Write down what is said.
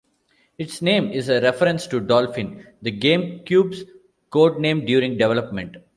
Its name is a reference to Dolphin, the GameCube's codename during development.